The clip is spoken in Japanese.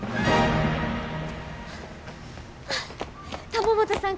玉本さん